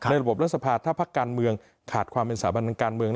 ในระบบรัฐสภาษณ์ถ้าภักดิ์การเมืองขาดความเป็นสาบันการเมือง